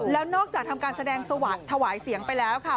แล้วนอกจากทำการแสดงถวายเสียงไปแล้วค่ะ